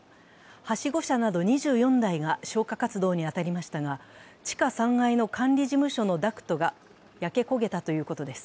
はしご車など２４台が消火活動に当たりましたが地下３階の管理事務所のダクトが焼け焦げたということです。